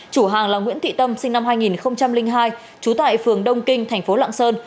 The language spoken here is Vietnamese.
chủ hàng là nguyễn thị tâm sinh năm hai nghìn hai trú tại phường đông kinh thành phố lạng sơn